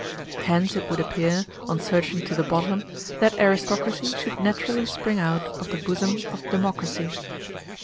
Hence it would appear, on searching to the bottom, that aristocracy should naturally spring out of the bosom of democracy.